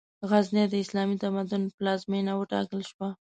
غزنی، د اسلامي تمدن پلازمېنه وټاکل شوه.